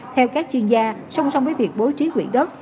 theo các chuyên gia song song với việc bố trí quỹ đất